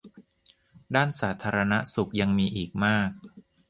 ด้านสาธารณสุขยังมีอีกมาก